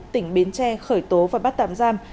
tỉnh bến tre khởi tố và bắt tạm giam